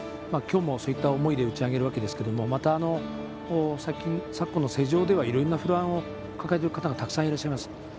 きょうも、そういった思いで打ち上げるわけですけれどもまた昨今いろんな不安を抱えている方がたくさんいらっしゃいます。